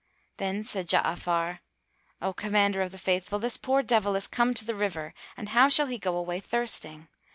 Then said Ja'afar, "O Commander of the Faithful, this poor devil is come to the river, and how shall he go away thirsting?